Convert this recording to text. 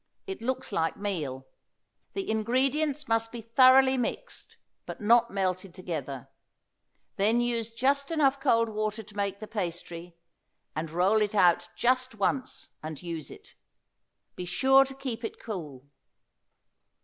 It looks like meal; the ingredients must be thoroughly mixed, but not melted together; then use just enough cold water to make the pastry, and roll it out just once, and use it; be sure to keep it cool.